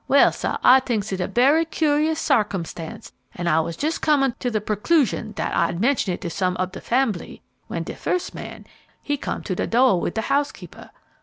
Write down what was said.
Well, sah, I t'inks it a berry cur'is sarcumstance, an' I was jes' comm' to de preclushun dat I'd mention it to some ob de fambly, when de fust man, he come to de dooh wid de housekeeper.